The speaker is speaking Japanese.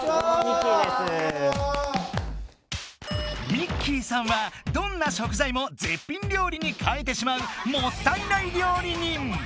みっきーさんはどんな食材もぜっぴん料理にかえてしまう「もったいない料理人」！